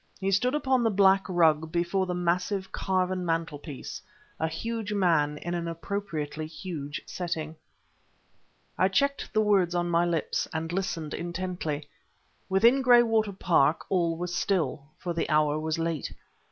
He stood upon the black rug before the massive, carven mantelpiece, a huge man in an appropriately huge setting. I checked the words on my lips, and listened intently. Within Graywater Park all was still, for the hour was late.